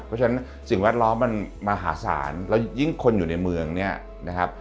เพราะฉะนั้นสิ่งแวดล้อมมันมหาศาลแล้วยิ่งคนอยู่ในเมืองเนี่ยนะครับ